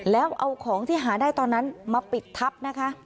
แล้วเอาของที่หาได้ตอนนั้นมาปิดทับนะคะ